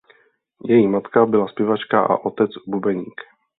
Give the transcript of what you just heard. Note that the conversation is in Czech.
Její matka byla zpěvačka a otec bubeník.